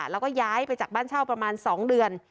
แล้วก็ย้ายไปจากบ้านเช่าประมาณ๒เดือน